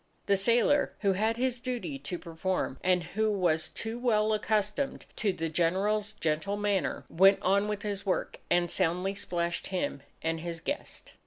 The sailor, who had his duty to perform and who was too well accustomed to the General's gentle manner, went on with his work, and soundly splashed him and his guest.